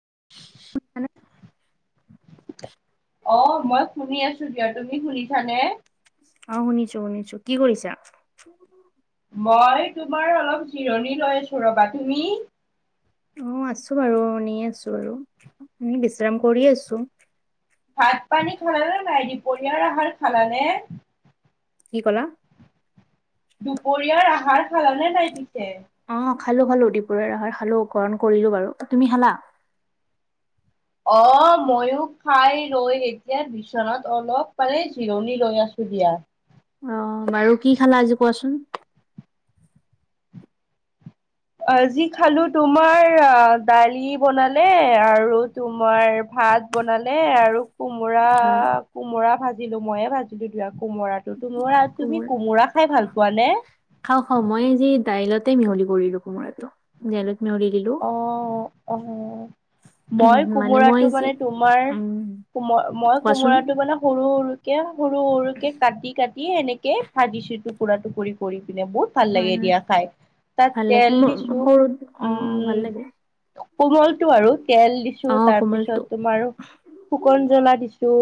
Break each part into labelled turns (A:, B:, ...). A: [unintelligible]
B: অ মই শুনি আছো দিয়া, তুমি শুনিছানে?
A: অ', শুনিছো শুনিছো। কি কৰিছা?
B: মই তোমাৰ অলপ জিৰণি লৈ আছো ৰ'বা, তুমি?
A: অ আছো বাৰু নি আছো বাৰু আমি বিশ্ৰাম কৰি আছো।
B: ভাত পানী খালানে নাই দুপৰিয়া আহাৰ খালানে?
A: কি ক'লা?
B: দুপৰীয়াৰ আহাৰ খালানে নাই পিছে?
A: অ', খালোঁ খালোঁ। দুপৰীয়াৰ আহাৰ খালোঁ, গ্ৰহণ কৰিলো বাৰু। তুমি খালা?
B: অ'। ময়ো খাই লৈ এতিয়া বিচনাত অলপ মানে জিৰণি লৈ আছো দিয়া।
A: অহ। বাৰু কি খালা আজি কোৱাচোন।
B: অ যি খালো তোমাৰ অ দালি বনালে আৰু তোমাৰ ভাত বনালে আৰু কোমোৰা
A: হয়
B: কোমোৰা ভাজিলো মইয়ে ভাজিলো দিয়া। কোমোৰাটো তো তুমি কোমোৰা খাই ভাল পোৱা নে?
A: খাওঁ খাওঁ মই আজি দাইলতে মিহলি কৰিলো কোমোৰাটো দাইলত মিহলি দিলো
B: অ', অ'। মই
A: মানে মই
B: কোমোৰাটো
A: যে
B: মানে তোমাৰ
A: উম
B: কোম মই
A: কোৱাচোন
B: কোমোৰাটো মানে সৰু সৰু কে সৰু সৰুকে কাটি কাটি এনেকে ভাজিছো টুকুৰা টুকুৰি কৰি। পিনে বহুত ভাল
A: হয়
B: লাগে
A: হয়
B: দিয়া খাই
A: ভাল
B: তাত
A: লাগে
B: তেল
A: কোমল
B: দিছো
A: সৰুত অ ভাল লাগে।
B: কোমলটো আৰু তেল দিছো
A: অ
B: তাৰপিছত
A: কোমলটো
B: তোমাৰ শুকান জ্বলা দিছো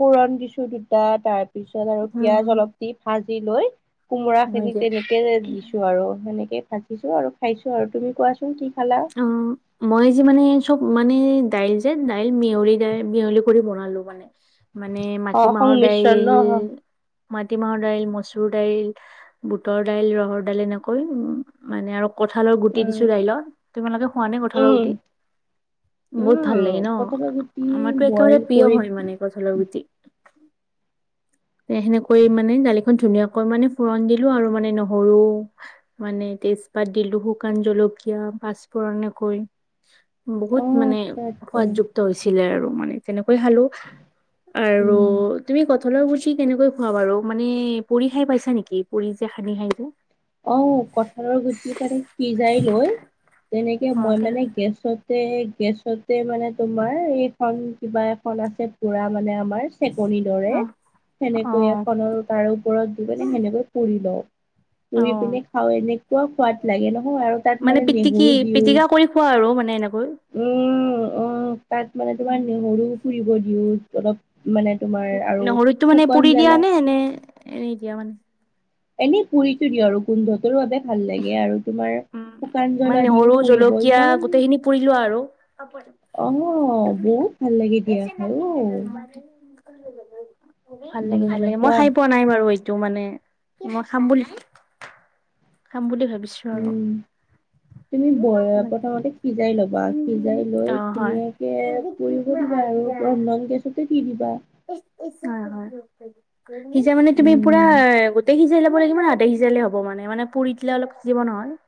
B: ফোৰণ দিছো দু তাৰ পিছত আৰু
A: উম
B: পিয়াজ অলপ দি ভাজি লৈ
A: হয়
B: কোমোৰাখিনি
A: দিয়া
B: তেনেকে দিছো আৰু সেনেকে ভাজিছো আৰু খাইছো আৰু তুমি কোৱাচোন কি খালা
A: অ মই যে মানে চব মানে দাইল যে, দাইল মিহলি দাইল মিহলি কৰি বনালোঁ মানে। মানে
B: অ
A: মাটিমাহৰ
B: সংমিশ্ৰণ ন
A: দাইল মাটিমাহৰ দাইল মচুৰ দাইল বুটৰ দাইল ৰহৰ দাইল এনেকৈ উ মানে আৰু কঁঠালৰ গুটি
B: উম
A: দিছো দাইলত তোমালোকে খোৱা নে কঁঠালৰ
B: উম
A: গুটি? বহুত ভাল লাগে
B: উম
A: ন।
B: কঠালৰ গুটি
A: আমাৰতো একেবাৰে
B: বইল
A: প্ৰিয়
B: কৰি
A: হয় মানে কঁঠালৰ গুটি। উ তে সেনেকৈ মানে দালিখন ধুনীয়াকৈ মানে ফুৰণ দিলো আৰু মানে নহৰু মানে তেজপাত দিলো শুকান জলকীয়া পচফোৰণকৈ বহুত
B: অ
A: মানে
B: আচ্ছা আচ্ছা
A: সোৱাদযুক্ত হৈছিলে আৰু মানে তেনেকা কৈ খালোঁ আৰু
B: উম
A: তুমি কঁঠালৰ গুটি কেনেকৈ খোৱা বাৰু মানে পুৰি খাই পাইছা নেকি? পুৰি যে সান্দি খাই যে?
B: অ কঠালৰ গুটি পানে সিজাই লৈ তেনেকে
A: অ
B: মই
A: কেনে
B: মানে গেছত তে গেছতে মানে তোমাৰ এইখন কিবা এখন আছে পুৰা মানে আমাৰ চেকনীৰ দৰে
A: অ অ
B: সেনেকৈ এখনৰ তাৰ ওপৰত দি সেনেকৈ পুৰি লওঁ।
A: অ
B: কৰি পিনে খাওঁ এনেকুৱা সোৱাদ লাগে নহয় আৰু তাত মানে
A: পিটিকি
B: নেহৰু দিও
A: পিটিকা কৰি খোৱা আৰু মানে এনেকৈ
B: উম অ তাত মানে তোমাৰ নহৰু পুৰিব দিওঁ অলপ মানে তোমাৰ আৰু
A: নহৰুতো মানে পুৰি
B: শুকন
A: দিয়া
B: জ্বালা
A: নে নে এনেই দিয়া মানে
B: এনেই পুৰিটো দি আৰু গোন্ধত বাবে ভাল লাগে আৰু তোমাৰ
A: উম
B: শুকান
A: মানে
B: জ্বলা
A: নহৰু
B: দিও পুৰিব
A: জলকীয়া
B: ইমান
A: গোটেইখিনি পুৰি লোৱা আৰু
B: আহ বহুত ভাল লাগে দিয়া খাই অ
A: ভাল লাগে ভাল
B: উম,
A: লাগে মই
B: কোৱা
A: খাই পোৱা নাই বাৰু এইটো মানে মই খাম বুলি, খাম বুলি ভাবিছো আৰু।
B: উম। তুমি ব প্ৰথমতে সিজাই ল'বা সিজাই
A: অ
B: লৈ
A: হয়
B: ধুনীয়াকে পুৰিব দিবা আৰু ৰন্দন গেছতে কি দি [unintelligible]
A: সিজা মানে তুমি পুৰা
B: উম,
A: গোতেই সিজা লিব লাগিব নে আধা সিজালে হ'ব মানে, মানে পুৰি দিলে অলপ সিজিব নহয়? [inaudible]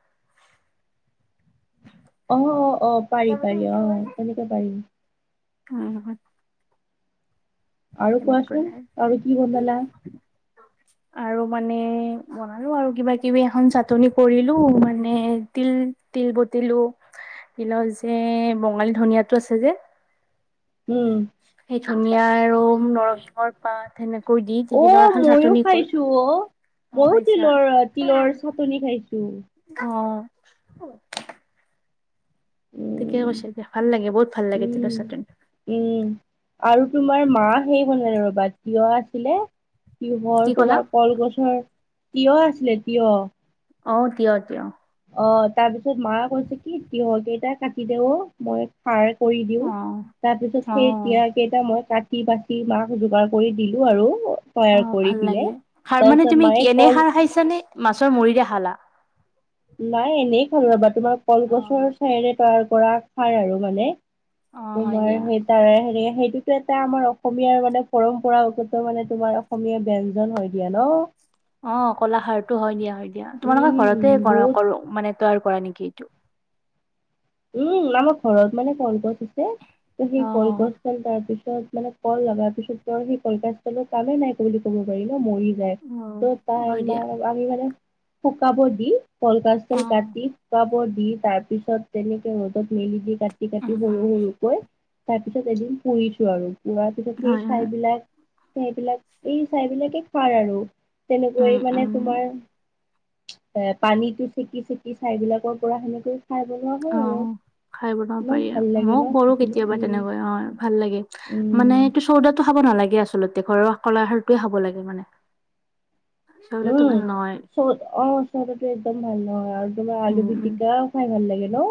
B: অ অ অ পাৰি পাৰি অ তেনেকে পাৰি।
A: উম [inaudible]
B: আৰু কোৱাচোন আৰু কি বনালা?
A: [inaudible] আৰু মানে, বনালো আৰু কিবা কিবি এখন চাটনি কৰিলোঁ মানে তিল তিল বতিলো তিলৰ যে বঙালী ধনিয়াটো আছে যে।
B: উম।
A: ধনীয়া আৰু নৰসিংহৰ পাত সেনেকৈ দি তিদিনৰ এখন চাটনি কৰি অ
B: ময়ো
A: খাইছা
B: তিলৰ তিলৰ চাটনি খাইছোঁ।
A: [inaudible] ঠিকে
B: উম,
A: কৈছে, এতিয়া ভাল লাগে বহুত ভাল লাগে
B: উম,
A: তিলৰ চাটনি।
B: উম। আৰু তোমাৰ মা সেই বনাল ৰ' বা তিয়হ আছিলে
A: কি
B: তিহৰ
A: ক'লা
B: তোমাৰ কলগছৰ তিয়হ আছিলে তিয়হ।
A: অ', তিয়হ, তিয়হ।
B: অ', তাৰপিছত মা কৈছে কি তিহৰ কেইটা কাটি দে অ', মই ফাৰ কৰি দিওঁ
A: অ
B: তাৰপিছ সেই
A: অ
B: [unintelligible] কেইটা মই কাট বাচি বাচি মাক যোগাৰ কৰি দিলোঁ আৰু। তৈয়াৰ
A: অ',
B: কৰি
A: ভাল
B: পিনে।
A: লাগে সাৰ মানে
B: তাৰপিছত
A: তুমি
B: মায়ে
A: এনে
B: কল
A: সাৰ খাইছানে? মাছৰ মূৰিৰে খালা।
B: নাই এনেই খালোঁ ৰ'বা তোমাৰ কলগছৰ চাইৰে তৈয়াৰ কৰা খাৰ আৰু মানে।
A: অ হয়
B: তোমাৰ
A: দিয়া।
B: সেই তাৰ হেৰি সেইটোতো এটা আমাৰ অসমীয়াৰ মানে পৰম্পৰাগত মানে তোমাৰ অসমীয়া ব্যঞ্জন হয় দিয়া ন'।
A: অ', কলাখাৰতো হয় দিয়া, হয় দিয়া, তোমালোকৰ ঘৰতে
B: উম
A: কৰা
B: বহুত
A: কৰোঁ মানে তৈয়াৰ কৰা নেকি এইটো?
B: উম, আমাৰ ঘৰত মানে কলগছ আছে ত সেই
A: অ
B: কলগছ তাৰ পিছত মানে কল লগাৰ পিছত তৰ সেই কল কলপাত [unintelligible] তলৰ কামেই নাইক বুলি ক'ব পাৰি মৰি যায় ত'
A: হয় দিয়া
B: তাই আমি মানে শুকাব দি কল গছ
A: অ
B: ডাল কাটি শুকাব দি তাৰ পিছত তেনেকে ৰ'দত মেলি দি কাটি
A: উম
B: কাটি সৰু
A: উম
B: সৰুকৈ তাৰ পিছত এদিন পুৰিছো আৰু। লোৱা পিছত সেই
A: হয় হয়
B: ঠাই বিলাক- ঠাইবিলাক এই ছাইবিলাকে খোৱাৰ আৰু।
A: উম
B: তেনেকৈ
A: উম
B: মানে তোমাৰ এ পানীটো চেকি-চেকি চাইবিলাকৰ পৰা সেনেকেই খাই।
A: অ, খাই বনাব পাৰি
B: ভাল
A: আৰু
B: লাগে ন
A: মই কৰো
B: খাবলৈ।
A: কেতিয়াবা
B: উম,
A: তেনেকৈ অ, ভাল লাগে। মানে
B: উম।
A: এইটো চৌদাটো খাব নালাগে আচলতে ঘৰৰ কলা খাৰটোৱে খাব লাগে মানে। চৌদাটো
B: উম,
A: ভাল নহয়
B: চৌদ অ, চৌদাটো এ চব ভাল নহয় আৰু তোমাৰ
A: উম
B: আলু
A: উম
B: পিটিকাওঁ খাই ভাল লাগে ন?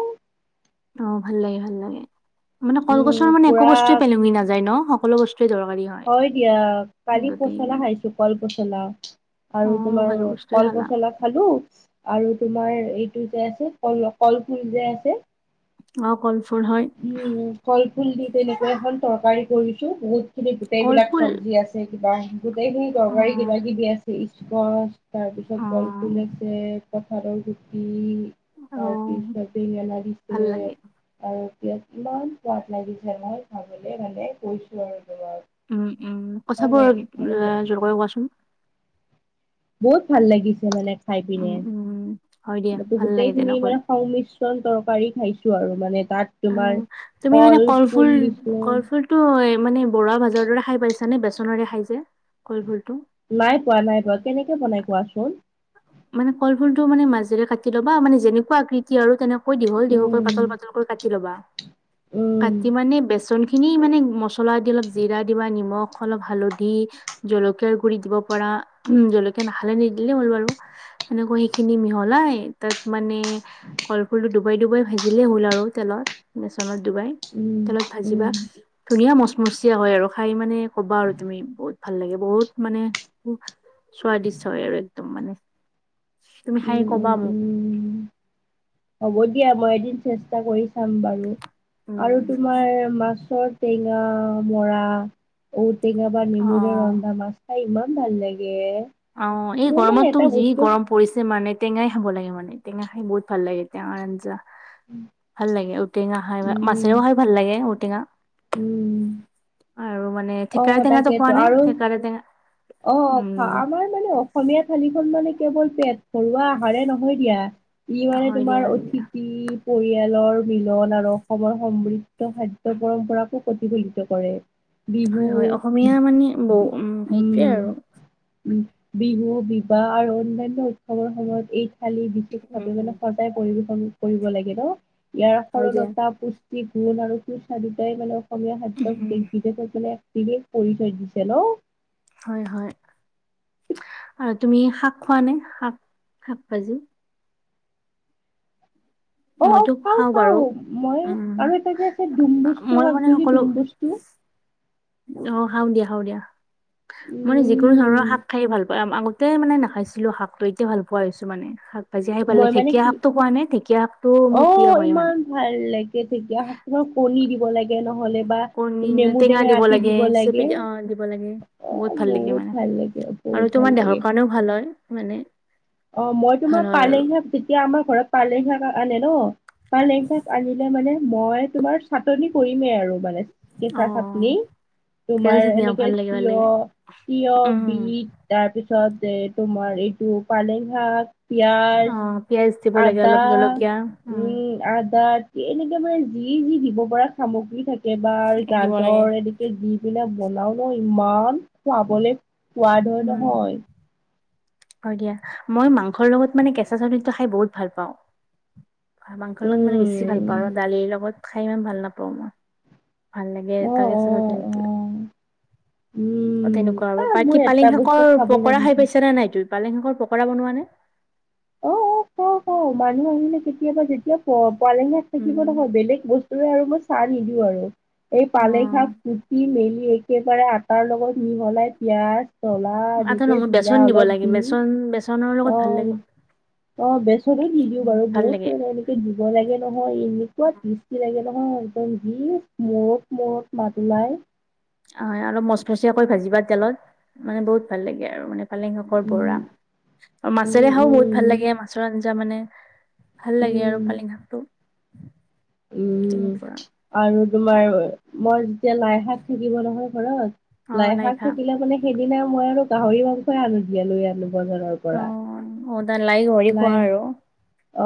A: অ, ভাল লাগে - ভাল লাগে মানে
B: উম,
A: কলগছৰ মানে একো
B: পুৰা
A: বস্তু পেলুঙি নাযায় ন' সকলো বচ
B: হয় দিয়া কালি
A: গোটেই
B: পচলা
A: ইমান
B: খাইছো কল পচলা।
A: অ
B: আৰু তোমাৰ
A: ভাল বস্তুৱে
B: কল
A: খালা
B: পচলা খালো আৰু তোমাৰ এইটো যে আছে কল-কলফুল যে আছে
A: অ, কল
B: উম, কলফুল দি তেনেকুৱা এখন তৰকাৰী কৰিছো বহুত খিনি গোটেইবিলাক
A: কলফুল
B: চব্জি আছে কিবা গোটেইখিনি
A: অ
B: তৰকাৰী কিবা-কিবি আছে ইচকচ, তাৰ পিছত
A: অ
B: কলফুল আছে, কঁঠালৰ গুটি,
A: অ
B: তাৰপিছত [unintelligible]
A: ভাল
B: দিছে
A: লাগে
B: আৰু ইয়াত কিমান সোৱাদ লাগিছে নহয় খাবলে ভালে কৈছো আৰু তোমাক।
A: উম-উম
B: ভাল
A: কথাবোৰ
B: লাগিল
A: অলপ
B: ভালে
A: [unintelligible]
B: লাগিছে
A: যোৰকৈ কোৱাচোন?
B: বহুত ভাল লাগিছে মানে খাই পিনে
A: উম উম হয় দিয়া
B: এইটো
A: ভাল লাগে
B: গোটেইখিনি
A: তেনেকৈ
B: মানে সংমিশ্ৰ ন তৰকাৰী খাইছো আৰু মানে তাত
A: অ,
B: তোমাৰ
A: তুমি মানে
B: কল ফুল দিছো
A: কলফুল-কলফুলটো এ মানে বৰা ভাজাৰ দৰে খাই পাইছা নে? বেচনৰে খাই যে কলফুল
B: নাই পোৱা - নাই পোৱা কেনেকে বনাই কোৱাচোন?
A: মানে কলফুলটো মানে মাজেৰে কাটি ল'বা মানে যেনেকুৱা আকৃতি আৰু তেন কৈ দিঘল দিগলকৈ
B: উম
A: পাতল পাতলকৈ কাটি লবা।
B: উম
A: কাটি মানে বেচন খিন খিনি মানে মছলা দি অলপ, জিৰা দিবা, নিমখ অলপ হালধি, জলকীয়াৰ গুৰি, দিব পাৰা উম জলকীয়া নাখালে নিদিলে হ'ল বাৰু। সেনেকৈ সেইখিনি মিহলাই তাত মানে কলফুলটো ডুবাই ডুবাই ভাজিলেই হ'ল আৰু তেলৰ বেচনৰ ডুবাই
B: উম
A: তেলত
B: উম
A: ভাজিবা ধুনীয়া মচমচীয়া হয় আৰু খাই মানে ক'বা আৰু তুমি বহুত ভাল লাগে বহুত মানে স্বাদিষ্ট হয় আৰু একদম মানে। তুমি খায়
B: উম
A: কবা
B: উম
A: মোক।
B: উম হ'ব দিয়া মই এদিন চেষ্টা কৰি চাম বাৰু,, আৰু
A: উম
B: তোমাৰ মাছত টেঙা মৰা ঔ টেঙা বা নেমুৰে
A: অ
B: ৰন্ধা মাছ খায় ইমান ভাল লাগে।
A: অঁ এই
B: মোৰ মানে
A: গৰমতটো
B: এটা
A: যি
B: বস্তু
A: গৰম পৰিছে মানে টেঙাই খাব লাগে মানে টেঙা খাই বহুত ভাল লাগে টঙাৰ আঞ্জা। ভাল লাগে ঔটেঙা খায়
B: উম
A: মাছেৰেও খায় ভাল লাগে ঔটেঙা।
B: উম।
A: আৰু মানে
B: অ
A: থেকেৰা টেঙাটো খোৱা
B: তাকেইতো
A: নে
B: আৰু
A: থেকেৰা টেঙা
B: অ খা
A: উম
B: আমাৰ মানে অসমীয়া থালিখন মানে কেৱল পেট ভৰুৱা আহাৰে নহয় দিয়া। ই মানে
A: হয় দিয়া
B: তোমাৰ অতিথি পৰিয়ালৰ মিলন আৰু অসমৰ সমৃদ্ধ খাদ্য পৰম্পৰাকো প্ৰতিফলিত কৰে। বিহু,
A: হয় হয় অসমীয়া মানে বৌ উম সেইটোৱে
B: উম।
A: আৰু
B: উ বিহু বিবাহ আৰু অন্যান্য উৎসৱৰ সময়ত এই থালি বিশেষ ভাৱে
A: উম
B: সজাই পৰিবেশন কৰিব লাগে ন? ইয়াৰ
A: হয় দিয়া
B: সৰলতা পুষ্ট কিগুণ আৰু সূস্বাদুটাই মানে অসমীয়া খাদ্যত
A: উম
B: দেশ বিদেশত দেশ বিদেশ পৰিচয় দিছে ন?
A: হয় হয়। আৰু তুমি শাক খোৱা নে শাক শাক ভাজি?
B: অ অ
A: মইতো
B: খাওঁ
A: বাৰু
B: খাওঁ মই
A: উম
B: আৰু এটা যে আছে ডুম বস্তু
A: মই
B: শাক
A: মানে
B: বুলি
A: সকলো
B: ডুম বস্তু
A: অ খাও দিয়া খাও দিয়া মানে যিকোনো ধৰণৰ
B: উম
A: শাক খাই ভাল পায় আগত তে মানে নাখাইছিলো শাকটো এতিয়া ভাল পোৱা হৈছো মানে শাক ভাজি খাই ভাল
B: মই
A: লাগে
B: মানে
A: ঢেঁকীয়া
B: কি
A: শাকটো খোৱা নে ঢেঁকীয়া শাকটো
B: অ
A: মোৰ প্ৰিয় হয় মানে।
B: ইমান ভাল লাগে ঢেকীয়া শাকৰ কণী দিব লাগে নহ'লে বা
A: কণী টেঙা দিব লাগে চেপি দিব লাগে
B: অ
A: বহুত ভাল লাগে মানে।
B: ভাল লাগে বহুত
A: আৰু
B: ভাল
A: তোমাৰ
B: লাগে
A: দেহৰ কাৰণেও ভাল হয় মানে।
B: অ মই
A: ভাল
B: তোমাৰ
A: হয় আৰু
B: পালেং শাক যেতিয়া আমাৰ ঘৰত পালেং শাক আনে ন পালেং শাক আনি লেমানে মই তোমাৰ চাটনি কৰিমেই আৰু মানে
A: অ
B: কেঁচা চাটনি
A: কেল
B: তোমাৰ
A: চাটনি অ
B: এনেকে
A: ভাল লাগে ভাল
B: তিয়
A: লাগে
B: তিয়
A: উম
B: বিট তাৰপিছত ছতে তোমাৰ এইটো পালেং শাক পিয়াজ
A: অ পিয়াজ দিব লাগে
B: আদা
A: অলপ জলকীয়া
B: উম আদা [unintelligible] এনেকে মানে যি যি দিব পৰা সামগ্ৰী থাকে একেবাৰে
A: দিব লাগে
B: গাজৰ এনেকে দি পিনে বনাও ন ইমান খোৱাবলে সোৱাদ হয়
A: উম
B: নহয়
A: হয় দিয়া মই মাংসৰ লগত মানে কেঁচা চব্জি টো খাই বহুত ভাল পাওঁ। মাংসৰ লগত মানে বেছি ভাল
B: উম,
A: পাওঁ আৰু দালিৰ লগত খাই ইমান ভাল নাপাওঁ মই। ভাল লাগে
B: অ',
A: তাকে
B: অ', অ',
A: [unintelligible] অ
B: উম,
A: তেনেকুৱা আৰু
B: আ
A: বাকী
B: মোৰ
A: পালিং
B: এটা
A: শাকৰ
B: বস্তু খাবলৈ
A: পকৰা
B: মন
A: খাই পাইছ নে নাই তু পালেং শাকৰ পকৰা বনোৱা নে?
B: অ, অ, অ পাওঁ অ, মানুহ আহিলে কেতিয়াবা যেতিয়া পোৱালিহেত থাকিব
A: উম।
B: নহয় বেলেগ বস্তু তুমি আৰু মই চাহ নিদিওঁ আৰু এই পালেং
A: অ',
B: শাক কুতি মেলি একেবাৰে আটাৰ লগত মিহলাই পিঁয়াজ জ্বলা
A: আদা
B: এনেকে
A: নহৰু বেচন
B: জিৰা
A: দিব
B: অলপ
A: লাগে
B: দি
A: বেচন বেচনৰ লগত ভাল লাগে
B: অ'। অ বেচনো দি দিও বাৰু
A: ভাল লাগে
B: বহুতে এনেকে দিব লাগে নহয় এনেকুৱা টেষ্টি লাগে অ', একদম যি মূৰত মূৰত মাত ওলাই।
A: হয়, অলপ মচমচিয়াকৈ ভাজিবা তেলত মানে বহুত ভাল লাগে আৰু মানে পালেং শাকৰ বৰা
B: উম
A: আৰু
B: উম
A: মাছেৰে খায়ো বহুত
B: উম
A: ভাল লাগে, মাছৰ আঞ্জা মানে ভাল
B: উম
A: লাগে আৰু পালেং শাকটো।
B: উম,
A: তেনেকুৱা
B: আৰু তোমাৰ মই যেতিয়া লাই শাক থাকিব নহয় ঘৰত। লাই শাক থাকিলে মানে সেইদিনা মই আৰু গাহৰি মাংসই আনো দিয়া লৈ আনো বজাৰৰ পৰা।
A: অ', অ', লাই গাহৰি খোৱা আৰু।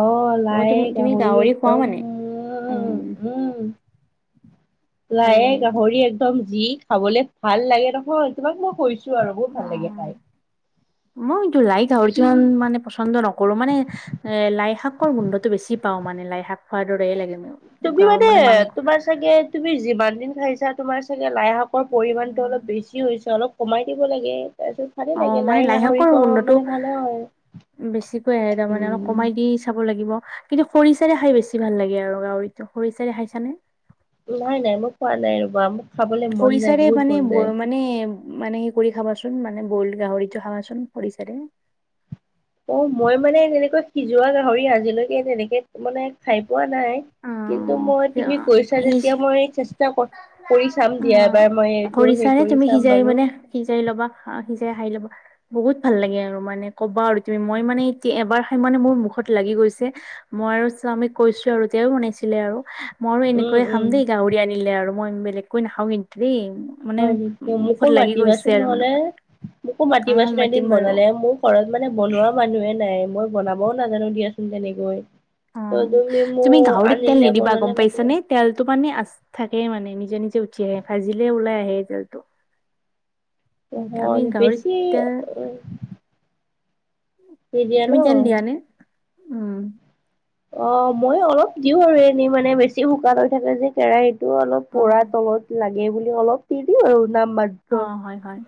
B: অহ,
A: অ',
B: লাই
A: তুমি তুমি
B: গাহৰি
A: খোৱা
B: একদম
A: মানে
B: উম, উম।
A: ভাল
B: লায়ে,
A: লাগে
B: গাহৰি একদম যি খাবলে ভাল লাগে নহয় তোমাক মই কৈছ ছো আৰু
A: অ',
B: বহুত ভাল লাগে খাই।
A: মই এইটো লাই গাহৰিটো ইমান মানে পছন্দ নকৰোঁ মানে এ লাই শাকৰ গোন্ধটো বেছি পাওঁ। মানে লাই শাক খোৱাৰ দৰে লাগে মোৰ।
B: তুমি
A: গাঁৱৰ
B: মানে
A: মাংস
B: তোমাৰ চাগে তুমি যিমান দিন খাইছা তোমাৰ চাগ গে লাই শাকৰ পৰিমাণতটো অলপ বেছি হৈছে, অলপ কমাই দিব লাগে। তাৰপিছত ভালেই
A: অ',
B: লাগে
A: মানে
B: লাই গাহৰি কম বানালে ভাল হয়, হয়।
A: উম, বেছিকৈ আহে তাৰমানে অলপ কমাই দি চাব লাগিব। কিন্তু খৰিচাৰে খাই বেছি ভাল লাগে আৰু গাহৰিটো খৰিচাৰে খাইছানে?
B: নাই, নাই, মই খোৱা নাই ৰ'বা ম
A: খৰিচাৰে মানে ব' মানে মানে সে কৰি খাবাচোন মানে বইল গাহৰিটো খাবাচোন খৰিচাৰে।
B: অ মই মানে এনেকৈ সিজোৱা গাহৰি আজিলৈকে তেনেকে মানে খাই পোৱা নাই। কিন্তু মই তুমি কৈছা যেতিয়া মই চেষ্টা কৰ কৰি চাম
A: উ
B: দিয়া এবাৰ মই এইটো হেৰি
A: কৰিছা নে
B: কৰি
A: তুমি
B: চাম
A: সিজাই
B: বাৰু
A: মানে সিজাই ল'বা সিজাই খাই ল'বা। বহুত ভাল লাগে আৰু মানে ক'বা আৰু তুমি মই মানে এতিয়া এবাৰ খাই মানে মোৰ মুখত লাগি গৈছে মই আৰু স্বামীক কৈছো আৰু তেওঁক শুনাইছিলে আৰু। ময়ো
B: উম
A: এনেকৈ খাম
B: উম
A: দেই গাহৰি আনিলে আৰু মই বেলেগকৈ নাখাওঁ কিন্তু দেই। মানে
B: হয় নে। মোকো
A: মুখত লাগি গৈছে
B: মাতিবাচোন
A: আৰু মানে
B: নহ'লে মোকো
A: অ
B: মাতিবাচোন
A: মাতিম
B: এদিন
A: বাৰু
B: বনালে মোক ঘৰৰত। মানে বনোৱা মানুহে নাই। মই বনাবও নাজানো দিয়াচোন তেনেকৈ।
A: অ
B: ত
A: তুমি
B: মোক
A: গাহৰিত তেল
B: আনিলে
A: নিদিবা।
B: বনালে
A: গ'ম
B: মাতিবা
A: পাইছানে তেলটো মানে আছ। থাকেই মানে নিজে নিজে উঠি আহে। ভাজিলে ওলাই আহে তেলটো। আমি
B: নহয়
A: গাহৰিত
B: বেছি
A: তেল।
B: দি দিয়ে ন।
A: তুমি তেল দিয়া নে উম।
B: অ মই অলপ দিওঁ, আৰু এনেই মানে বেছি শুকান হৈ থাকে। যে কেৰাহীত টো অলপ
A: অ
B: পোৰা তলত লাগে বুলি অলপ দি দিওঁ আৰু। নাম
A: অ
B: মাতো।
A: হয় হয়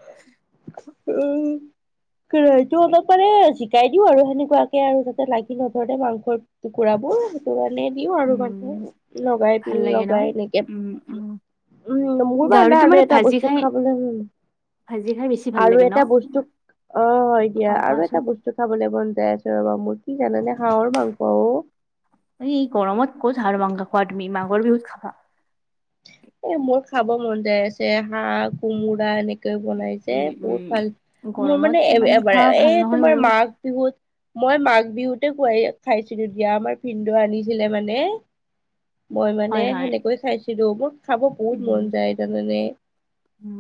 B: এইটো অলপ মানে জিকাই দিও আৰু সেনেকুৱাকে আৰু যাতে লাগি নধৰে মাংস। টুকুৰাবোৰ সেই মে দিও আৰু মানে
A: উম
B: লগাই প
A: ভাল লাগে ন
B: লগাই এনেকে।
A: উম উম
B: উম মোৰ বা নাই
A: গাহৰিটো
B: আৰু
A: মানে
B: এটা
A: ভাজি
B: বস্তু
A: খাই
B: খাবলৈ।
A: ভাজি খাই বেছি ভাল
B: আৰু
A: লাগে ন
B: এটা বস্তু অ হয় দিয়া
A: অ
B: আৰু এটা
A: কোৱাচোন
B: বস্তু খাবলে মন। [unintelligible] কি জানে খাৰ
A: গৰমত ক'ত হাৰ মাংস খোৱা তুমি মাঘৰ বিহুত খাবা।
B: এ মোৰ খাব মন যাই আছে, হাঁহ কোমোৰা এনেকে। বনাই যে
A: উম উম
B: বহুত ভাল। মোৰ
A: গৰমত
B: মানে এ
A: ইমান
B: এবাৰ
A: খোৱা ভাল
B: এই
A: নহয়
B: তোমাৰ
A: বাৰু
B: মাঘ বিহুত। মই মাঘ বিহুতে খুৱাই খাইছিলো দিয়া। আমাৰ ভিনদেউ আনিছিলে মানে। মই মানে
A: হয় হয়
B: সেনেকৈ খাইছিলো। মোৰ খাব বহুত
A: উম
B: মন যায় জানানে।
A: উম